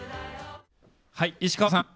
はい石川さん。